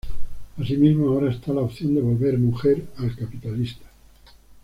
Así mismo, ahora está la opción de volver mujer al capitalista.